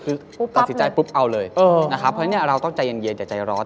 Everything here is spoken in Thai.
คือตัดสินใจปุ๊บเอาเลยนะครับเพราะฉะนั้นเราต้องใจเย็นอย่าใจร้อน